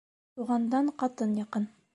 Туғандан ҡатын яҡын.